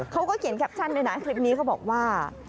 เขาก็เขียนแคปชั่นด้วยนะคลิปนี้เขาบอกว่า